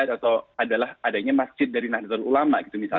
atau adanya masjid dari nazir ulama